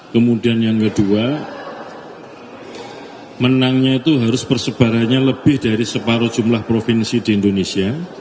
kemudian yang kedua menangnya itu harus persebarannya lebih dari separuh jumlah provinsi di indonesia